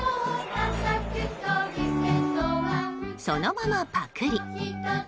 そのままパクリ。